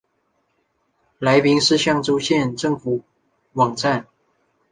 来宾市象州县政府网站